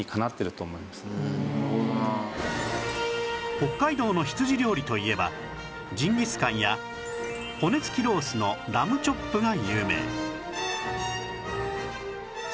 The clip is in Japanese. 北海道の羊料理といえばジンギスカンや骨付きロースのラムチョップが有名